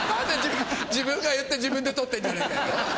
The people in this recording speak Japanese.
自分が言って自分で取ってんじゃねえかよ！